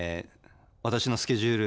私のスケジュール